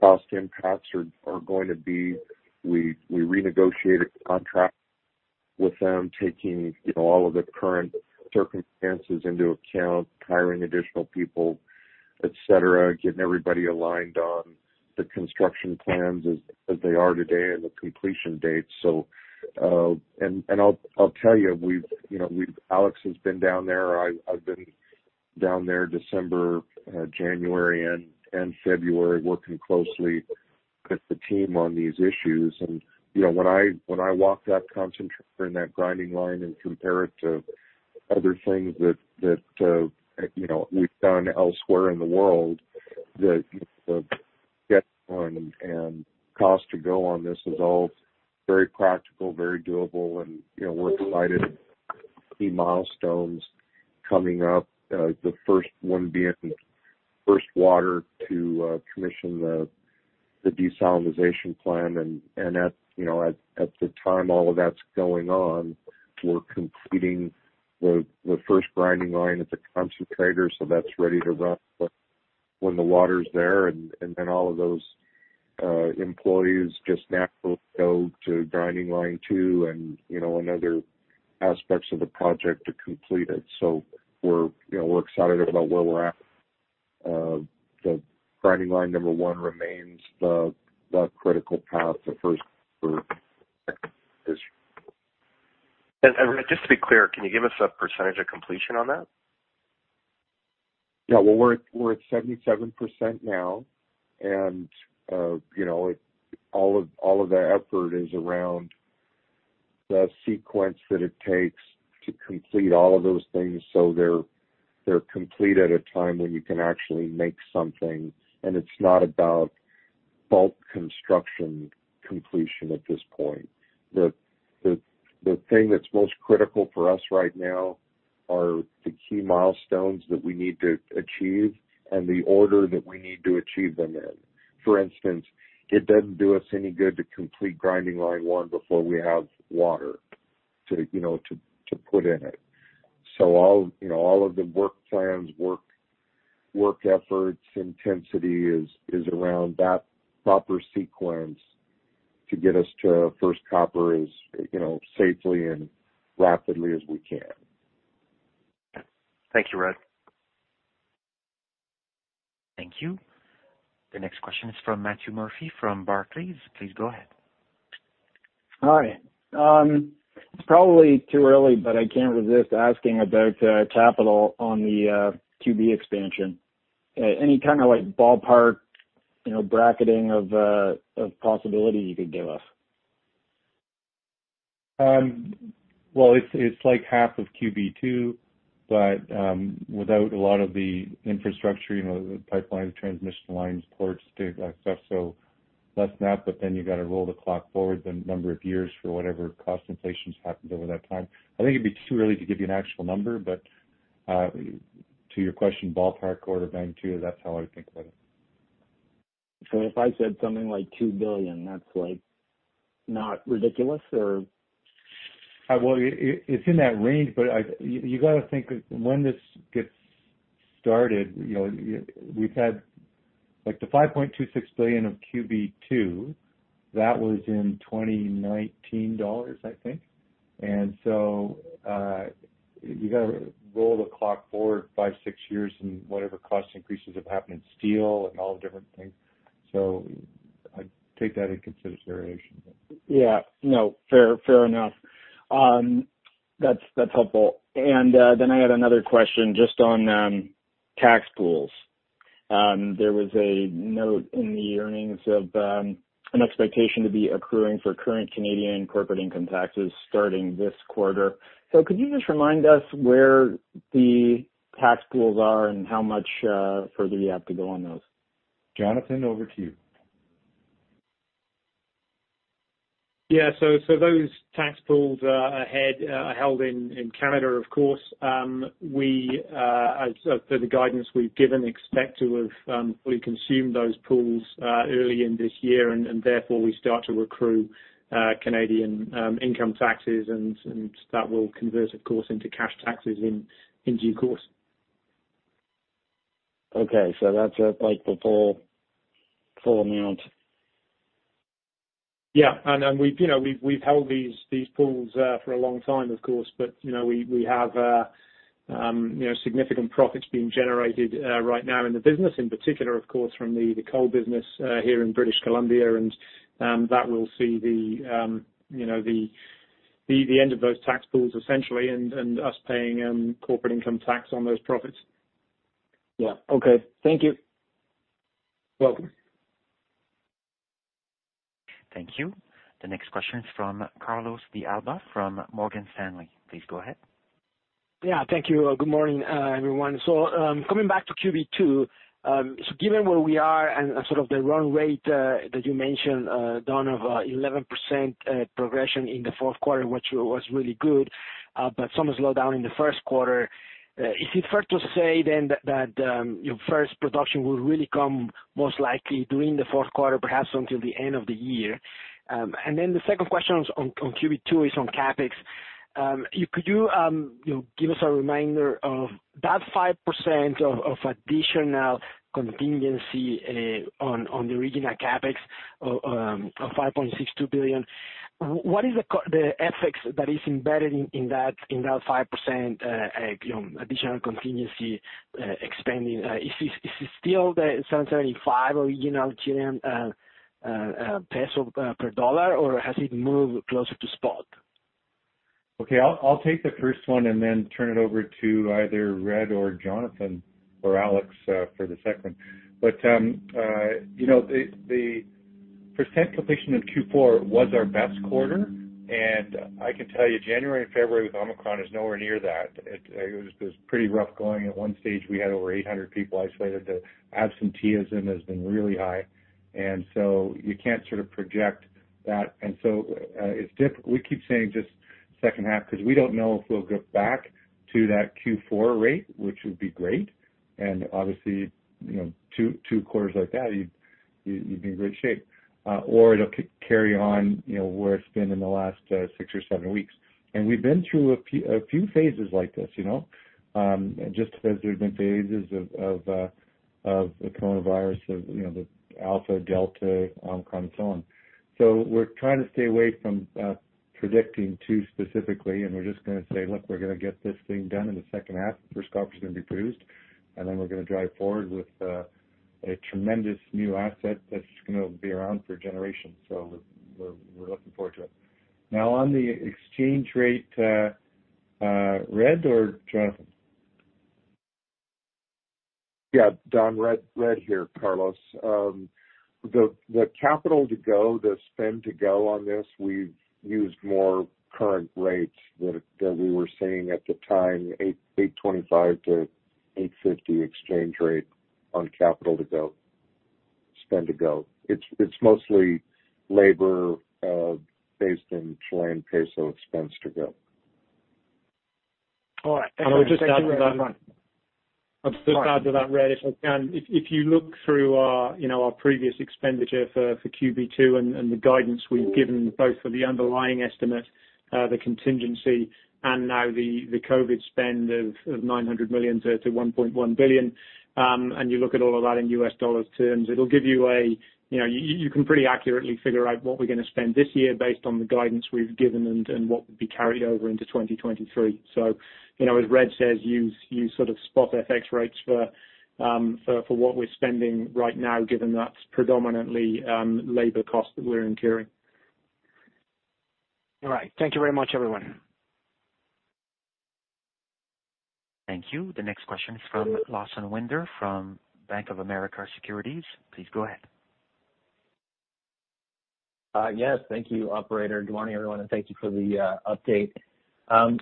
cost impacts are going to be. We renegotiated the contract with them taking all of the current circumstances into account, hiring additional people, et cetera, getting everybody aligned on the construction plans as they are today and the completion date. I'll tell you know, Alex has been down there. I've been down there December, January and February, working closely with the team on these issues. You know, when I walk that concentrator and that grinding line and compare it to other things that you know, we've done elsewhere in the world, the schedule and cost to go on this is all very practical, very doable, and you know, we're excited. Key milestones coming up, the first one being first water to commission the desalination plant. At the time all of that's going on, we're completing the first grinding line at the concentrator, so that's ready to run when the water's there, and then all of those employees just naturally go to grinding line two and, you know, in other aspects of the project to complete it. We're excited about where we're at. The grinding line number one remains the critical path, the first. Red, just to be clear, can you give us a percentage of completion on that? Yeah. Well, we're at 77% now. You know, all of the effort is around The sequence that it takes to complete all of those things so they're complete at a time when you can actually make something, and it's not about bulk construction completion at this point. The thing that's most critical for us right now are the key milestones that we need to achieve and the order that we need to achieve them in. For instance, it doesn't do us any good to complete grinding line one before we have water to, you know, to put in it. All, you know, all of the work plans, work efforts, intensity is around that proper sequence to get us to first copper as, you know, safely and rapidly as we can. Thank you, Red. Thank you. The next question is from Matthew Murphy from Barclays. Please go ahead. Hi. It's probably too early, but I can't resist asking about capital on the QB expansion. Any kind of, like, ballpark, you know, bracketing of possibility you could give us? Well, it's like half of QB2, but without a lot of the infrastructure, you know, the pipeline, transmission lines, ports, stuff, so less than that. You gotta roll the clock forward the number of years for whatever cost inflations happened over that time. I think it'd be too early to give you an actual number, but to your question, ballpark order of magnitude, that's how I would think about it. If I said something like 2 billion, that's, like, not ridiculous or. It's in that range, but you gotta think when this gets started, you know, we've had, like, the $5.26 billion of QB2, that was in 2019 dollars, I think. You gotta roll the clock forward 5-6 years and whatever cost increases have happened in steel and all the different things. I'd take that into consideration. Yeah. No. Fair enough. That's helpful. Then I had another question just on tax pools. There was a note in the earnings of an expectation to be accruing for current Canadian corporate income taxes starting this quarter. Could you just remind us where the tax pools are and how much further you have to go on those? Jonathan, over to you. Those tax pools ahead are held in Canada, of course. As per the guidance we've given, we expect to consume those pools early in this year, and therefore we start to incur Canadian income taxes, and that will convert, of course, into cash taxes in due course. Okay. That's, like the full amount. Yeah. We've you know held these pools for a long time of course, but you know we have you know significant profits being generated right now in the business, in particular of course from the coal business here in British Columbia. That will see you know the end of those tax pools essentially and us paying corporate income tax on those profits. Yeah. Okay. Thank you. Welcome. Thank you. The next question is from Carlos De Alba from Morgan Stanley. Please go ahead. Thank you. Good morning, everyone. Coming back to QB2, given where we are and sort of the run rate that you mentioned, Don, of 11% progression in the fourth quarter, which was really good, but some has slowed down in the first quarter. Is it fair to say that your first production will really come most likely during the fourth quarter, perhaps until the end of the year? And then the second question on QB2 is on CapEx. Could you know, give us a reminder of that 5% of additional contingency on the original CapEx of $5.62 billion? What is the FX that is embedded in that 5%, you know, additional contingency expanding? Is it still the 735 original Chilean peso per dollar, or has it moved closer to spot? Okay. I'll take the first one and then turn it over to either Red or Jonathan or Alex for the second. You know, the percent completion of Q4 was our best quarter. I can tell you January and February with Omicron is nowhere near that. It was pretty rough going. At one stage, we had over 800 people isolated. The absenteeism has been really high. You can't sort of project that. We keep saying just second half 'cause we don't know if we'll go back to that Q4 rate, which would be great. Obviously, you know, two quarters like that, you'd be in great shape. Or it'll carry on, you know, where it's been in the last six or seven weeks. We've been through a few phases like this, you know. Just as there's been phases of the coronavirus, you know, the Alpha, Delta, Omicron, and so on. We're trying to stay away from predicting too specifically, and we're just gonna say, "Look, we're gonna get this thing done in the second half. First copper is gonna be produced, and then we're gonna drive forward with a tremendous new asset that's gonna be around for generations." We're looking forward to it. Now, on the exchange rate, Red or Jonathan? Yeah, Don, Red here, Carlos. The capital to go, the spend to go on this, we've used more current rates that we were seeing at the time, 8.25 to 8.50 exchange rate on capital to go, spend to go. It's mostly labor based in Chilean peso expense to go. All right. Thank you very much. I would just add to that, Red, if I can. If you look through our, you know, our previous expenditure for QB2 and the guidance we've given both for the underlying estimate, the contingency and now the COVID spend of $900 million-$1.1 billion, and you look at all of that in U.S. dollars terms, it'll give you a you know, you can pretty accurately figure out what we're gonna spend this year based on the guidance we've given and what would be carried over into 2023. You know, as Red says, use sort of spot FX rates for what we're spending right now, given that's predominantly labor cost that we're incurring. All right. Thank you very much, everyone. Thank you. The next question from Lawson Winder from Bank of America Securities. Please go ahead. Yes, thank you, operator. Good morning, everyone, and thank you for the update. I'd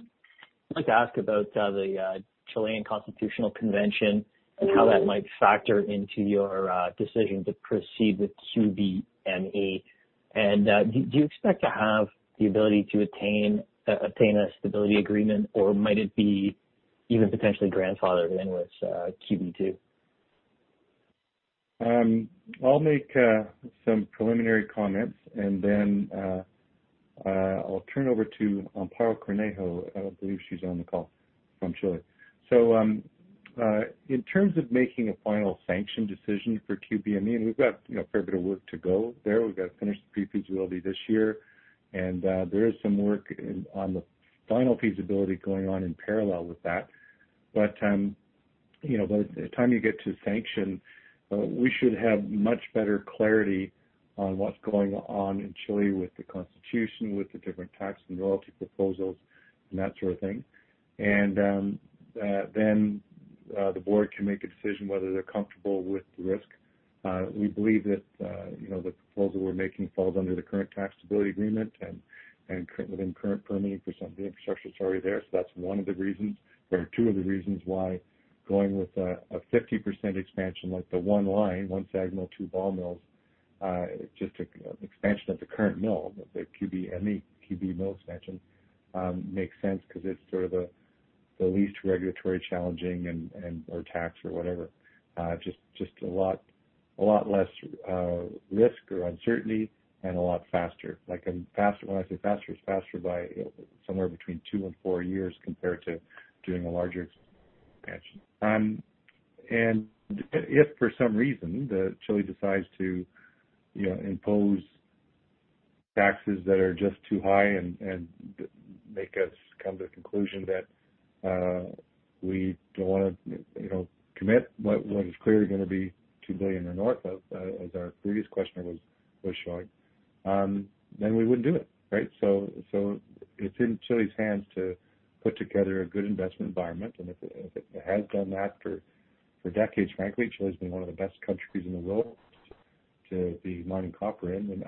like to ask about the Chilean constitutional convention and how that might factor into your decision to proceed with QBME. Do you expect to have the ability to attain a stability agreement, or might it be even potentially grandfathered in with QB2? I'll make some preliminary comments and then I'll turn over to Amparo Cornejo. I believe she's on the call from Chile. In terms of making a final sanction decision for QBME, we've got, you know, a fair bit of work to go there. We've got to finish the pre-feasibility this year. There is some work on the final feasibility going on in parallel with that. You know, by the time you get to sanction, we should have much better clarity on what's going on in Chile with the constitution, with the different tax and royalty proposals and that sort of thing. The board can make a decision whether they're comfortable with the risk. We believe that, you know, the proposal we're making falls under the current tax stability agreement and within current permitting for some of the infrastructure that's already there. That's one of the reasons or two of the reasons why going with a 50% expansion, like the one line, one SAG mill, two ball mills, just an expansion of the current mill, the QBME, QB mill expansion, makes sense because it's sort of the least regulatory challenging and or tax or whatever. Just a lot less risk or uncertainty and a lot faster. Like a faster. When I say faster, it's faster by somewhere between two and four years compared to doing a larger expansion. If for some reason that Chile decides to, you know, impose taxes that are just too high and make us come to the conclusion that we don't wanna, you know, commit what is clearly gonna be $2 billion or north of, as our previous questioner was showing, then we wouldn't do it, right? It's in Chile's hands to put together a good investment environment. If it has done that for decades, frankly, Chile's been one of the best countries in the world to be mining copper in.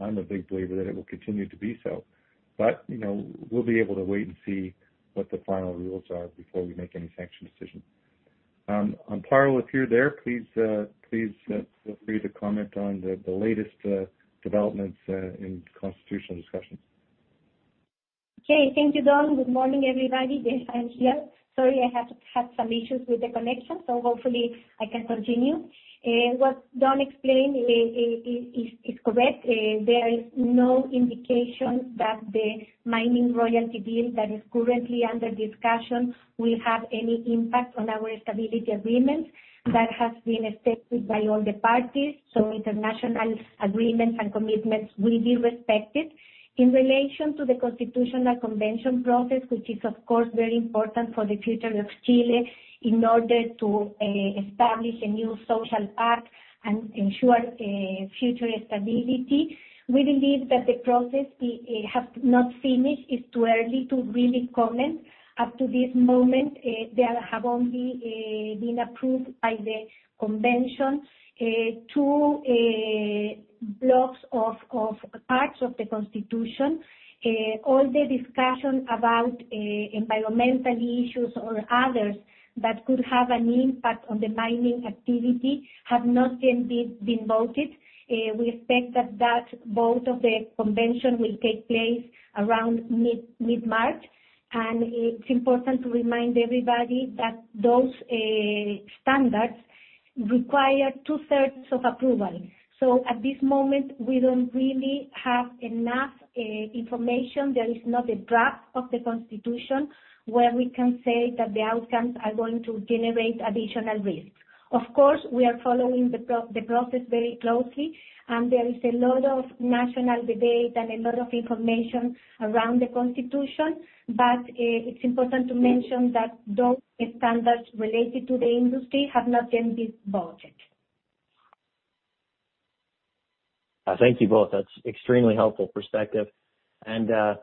I'm a big believer that it will continue to be so. We'll be able to wait and see what the final rules are before we make any sanction decision. Amparo, if you're there, please feel free to comment on the latest developments in constitutional discussions. Okay. Thank you, Don. Good morning, everybody. Yes, I'm here. Sorry, I have had some issues with the connection, so hopefully I can continue. What Don explained is correct. There is no indication that the mining royalty bill that is currently under discussion will have any impact on our stability agreement that has been accepted by all the parties. International agreements and commitments will be respected. In relation to the constitutional convention process, which is of course very important for the future of Chile in order to establish a new social pact and ensure future stability, we believe that the process has not finished. It's too early to really comment. Up to this moment, there have only been approved by the convention two blocks of parts of the Constitution. All the discussion about environmental issues or others that could have an impact on the mining activity have not yet been voted. We expect that vote of the convention will take place around mid-March. It's important to remind everybody that those standards require two-thirds of approval. At this moment, we don't really have enough information. There is not a draft of the Constitution where we can say that the outcomes are going to generate additional risk. Of course, we are following the process very closely, and there is a lot of national debate and a lot of information around the Constitution. It's important to mention that those standards related to the industry have not yet been voted. Thank you both. That's extremely helpful perspective. A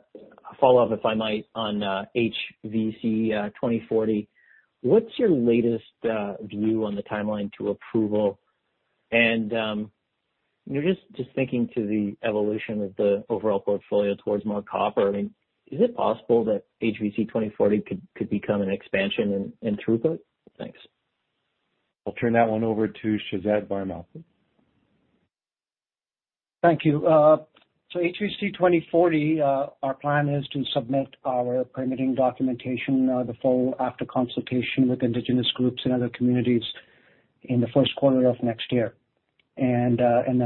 follow-up, if I might, on HVC 2040. What's your latest view on the timeline to approval? You know, just thinking to the evolution of the overall portfolio towards more copper, I mean, is it possible that HVC 2040 could become an expansion in throughput? Thanks. I'll turn that one over to Shehzad Bharmal. Thank you. HVC 2040, our plan is to submit our permitting documentation in the fall after consultation with indigenous groups and other communities in the first quarter of next year. Then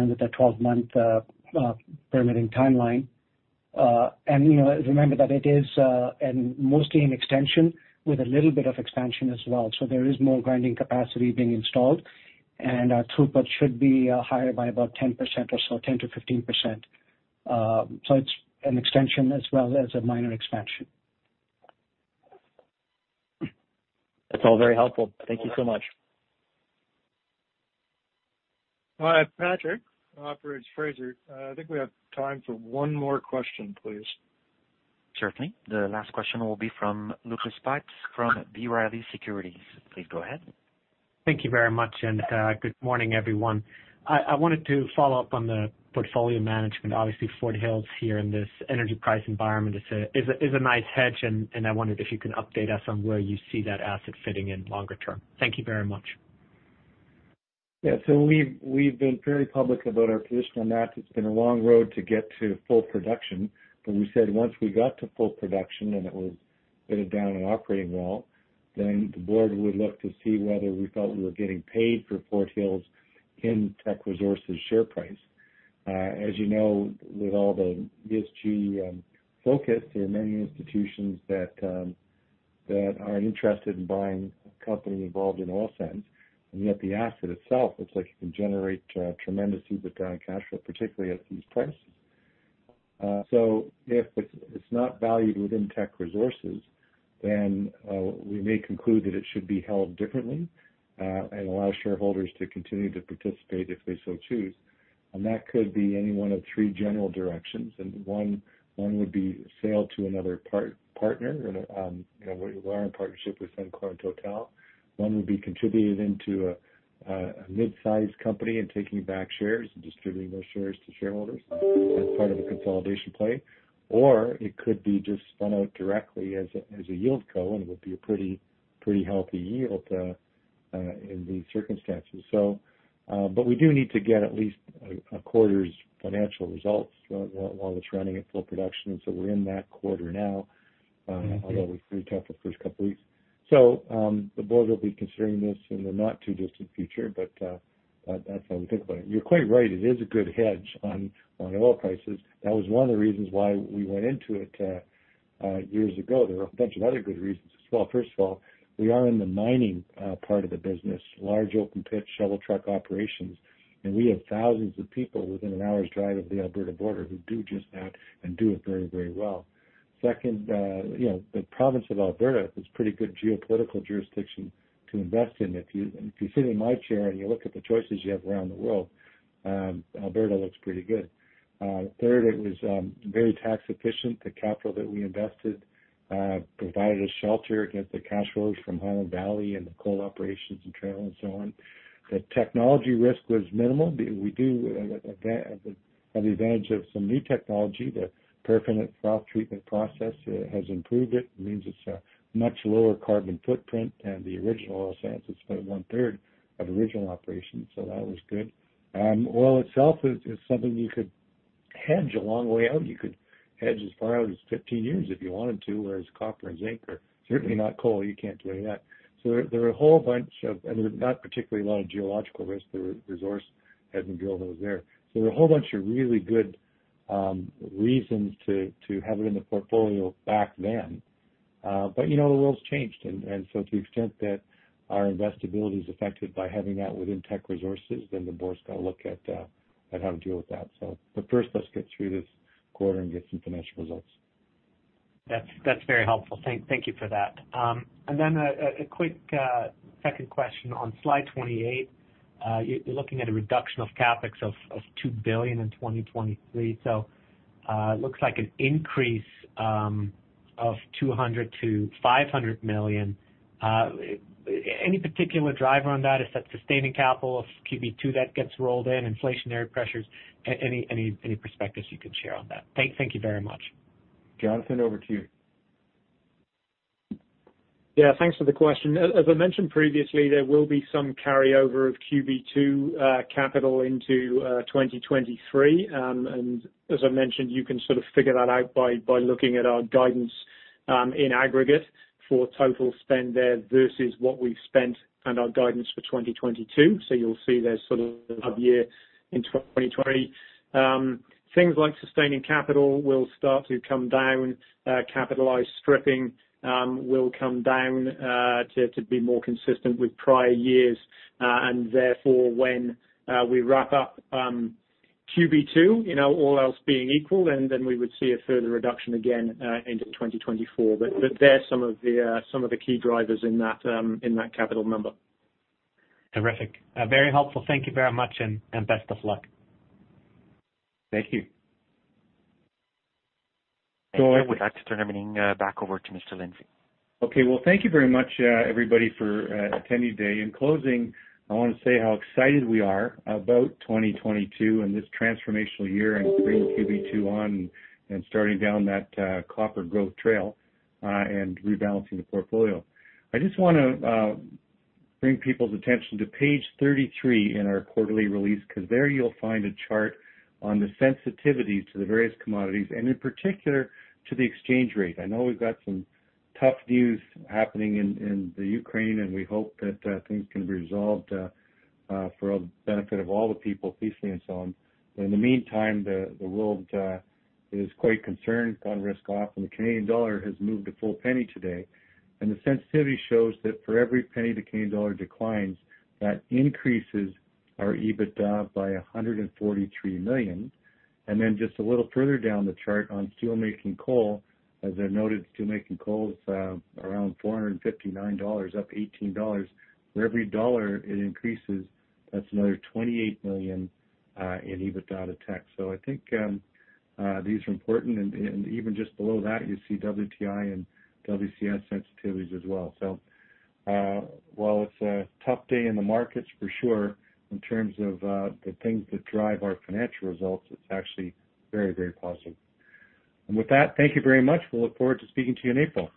with the 12-month permitting timeline. You know, remember that it is, and mostly an extension with a little bit of expansion as well. There is more grinding capacity being installed, and our throughput should be higher by about 10% or so, 10%-15%. It's an extension as well as a minor expansion. That's all very helpful. Thank you so much. Patrick, Operator Fraser, I think we have time for one more question, please. Certainly. The last question will be from Lucas Pipes from B. Riley Securities. Please go ahead. Thank you very much, good morning, everyone. I wanted to follow up on the portfolio management. Obviously, Fort Hills here in this energy price environment is a nice hedge, and I wondered if you can update us on where you see that asset fitting in longer term. Thank you very much. Yeah. We've been very public about our position on that. It's been a long road to get to full production. We said once we got to full production and it was up and operating well, then the board would look to see whether we felt we were getting paid for Fort Hills in Teck Resources' share price. As you know, with all the ESG focus in many institutions that aren't interested in buying a company involved in oil sands, and yet the asset itself looks like it can generate tremendous EBITDA and cash flow, particularly at these prices. If it's not valued within Teck Resources, then we may conclude that it should be held differently and allow shareholders to continue to participate if they so choose. That could be any one of three general directions. One would be sale to another partner. You know, we are in partnership with Suncor and Total. One would be contributed into a mid-sized company and taking back shares and distributing those shares to shareholders as part of a consolidation play. It could be just spun out directly as a yieldco, and it would be a pretty healthy yield in these circumstances. We do need to get at least a quarter's financial results while it's running at full production. We're in that quarter now, although it was pretty tough the first couple weeks. The board will be considering this in the not too distant future, but that's how we think about it. You're quite right, it is a good hedge on oil prices. That was one of the reasons why we went into it years ago. There were a bunch of other good reasons as well. First of all, we are in the mining part of the business, large open pit shovel truck operations, and we have thousands of people within an hour's drive of the Alberta border who do just that and do it very, very well. Second, you know, the province of Alberta is pretty good geopolitical jurisdiction to invest in. If you sit in my chair and you look at the choices you have around the world, Alberta looks pretty good. Third, it was very tax efficient. The capital that we invested provided a shelter against the cash flows from Highland Valley and the coal operations in Trail and so on. The technology risk was minimal. We do have the advantage of some new technology. The paraffinic froth treatment process has improved. It means it's a much lower carbon footprint, and the original oil sands is about one-third of the original operation. That was good. Oil itself is something you could hedge a long way out. You could hedge as far out as 15 years if you wanted to, whereas copper and zinc are certainly not coal. You can't do any of that. There's not particularly a lot of geological risk. The resource had been built, it was there. A whole bunch of really good reasons to have it in the portfolio back then. You know, the world's changed. To the extent that our investability is affected by having that within Teck Resources, then the board's gotta look at how to deal with that. First, let's get through this quarter and get some financial results. That's very helpful. Thank you for that. A quick second question on slide 28. You're looking at a reduction of CapEx of 2 billion in 2023. Looks like an increase of 200 million-500 million. Any particular driver on that? Is that sustaining capital of QB2 that gets rolled in, inflationary pressures? Any perspectives you can share on that? Thank you very much. Jonathan, over to you. Yeah. Thanks for the question. As I mentioned previously, there will be some carryover of QB2 capital into 2023. And as I mentioned, you can sort of figure that out by looking at our guidance in aggregate for total spend there versus what we've spent and our guidance for 2022. So you'll see there's sort of a year in 2020. Things like sustaining capital will start to come down. Capitalized stripping will come down to be more consistent with prior years. And therefore when we wrap up QB2, you know, all else being equal, then we would see a further reduction again into 2024. But there are some of the key drivers in that capital number. Terrific. Very helpful. Thank you very much and best of luck. Thank you. With that, I turn everything back over to Mr. Lindsay. Okay. Well, thank you very much, everybody for attending today. In closing, I wanna say how excited we are about 2022 and this transformational year and bringing QB2 on and starting down that copper growth trail and rebalancing the portfolio. I just wanna bring people's attention to page 33 in our quarterly release, 'cause there you'll find a chart on the sensitivity to the various commodities and in particular to the exchange rate. I know we've got some tough news happening in Ukraine, and we hope that things can be resolved for the benefit of all the people peacefully and so on. In the meantime, the world is quite concerned on risk off, and the Canadian dollar has moved a full penny today. The sensitivity shows that for every penny the Canadian dollar declines, that increases our EBITDA by 143 million. Then just a little further down the chart on steelmaking coal, as I noted, steelmaking coal is around $459, up $18. For every dollar it increases, that's another 28 million in EBITDA tax. I think these are important and even just below that, you see WTI and WCS sensitivities as well. While it's a tough day in the markets for sure in terms of the things that drive our financial results, it's actually very, very positive. With that, thank you very much. We'll look forward to speaking to you in April.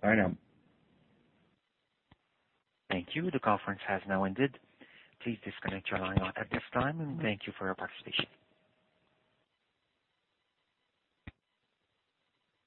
Bye now. Thank you. The conference has now ended. Please disconnect your line at this time, and thank you for your participation.